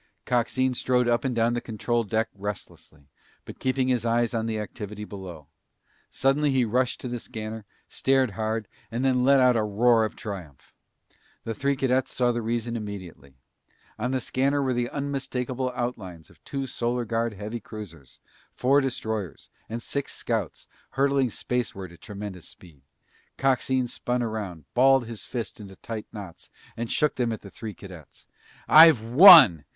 Coxine strode up and down the control deck restlessly, but keeping his eyes on the activity below. Suddenly he rushed to the scanner, stared hard, and then let out a roar of triumph. The three cadets saw the reason immediately. On the scanner were the unmistakable outlines of two Solar Guard heavy cruisers, four destroyers, and six scouts, hurtling spaceward at tremendous speed. Coxine spun around, balled his fists into tight knots, and shook them at the three cadets. "I've won!